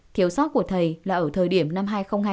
thiếu sót của thầy là ở thời điểm năm hai nghìn hai mươi